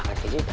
hebat juga lo ya